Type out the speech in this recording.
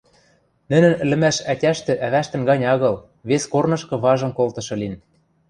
Нӹнӹн ӹлӹмӓш ӓтяштӹ-ӓвӓштӹн гань агыл, вес корнышкы важым колтышы лин.